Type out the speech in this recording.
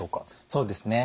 そうですね。